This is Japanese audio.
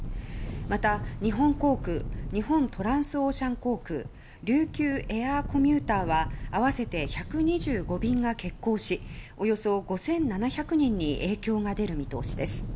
また、日本航空日本トランスオーシャン航空琉球エアーコミューターは合わせて１２５便が欠航しおよそ５７００人に影響が出る見通しです。